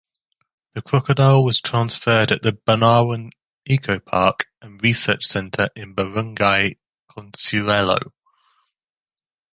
The crocodile was transferred at the Bunawan Eco-Park and Research Center in Barangay Consuelo.